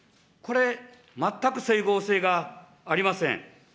これ、全く整合性がありません。